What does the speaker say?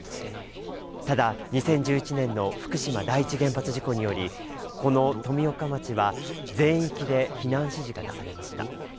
ただ、２０１１年の福島第一原発事故により、この富岡町は全域で避難指示が出されました。